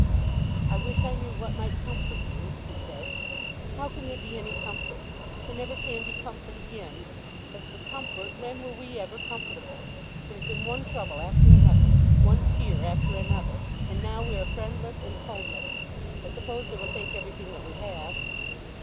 "I wish I knew what might comfort you," he said. "How can there be any comfort? There never can be comfort again! As for comfort, when were we ever comfortable? It has been one trouble after another, one fear after another! And now we are friendless and homeless. I suppose they will take everything that we have."